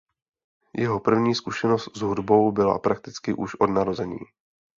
Jeho první zkušenost s hudbou byla prakticky už od narození.